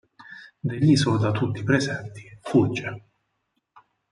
Deriso da tutti i presenti fugge.